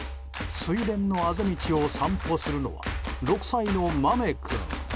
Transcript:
水田のあぜ道を散歩するのは６歳の豆君。